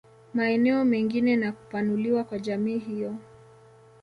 Maeneo mengine na kupanuliwa kwa jamii hiyo